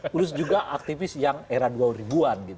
plus juga aktivis yang era dua ribu an